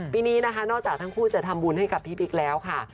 ปีนี้นะคะนอกจากทั้งคู่จะทำบุญให้กับพี่บิ๊กแล้วค่ะ